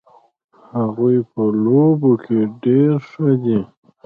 هغوی په لوبو کې ډېر ښه دي